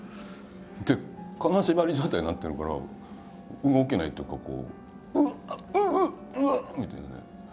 で金縛り状態になってるから動けないっていうかこう「うっうっうっうわっ」みたいなね。